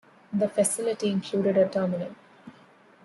The facility included a terminal.